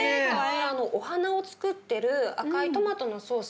お鼻をつくってる赤いトマトのソース。